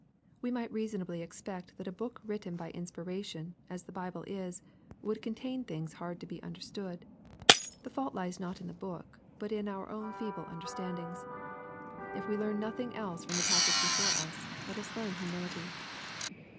We might reasonably expect that a book written by inspiration, as the Bible is, would contain things hard to be understood. The fault lies not in the book, but in our own feeble understand ings. If we learn nothing else from the passage before us, let us learn humility.